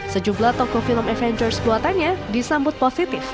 sejumlah toko film avengers buatannya disambut positif